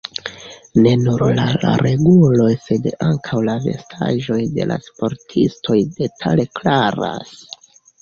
Ne nur la reguloj sed ankaŭ la vestaĵoj de la sportistoj detale klaras.